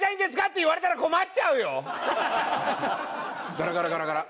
ガラガラガラガラ。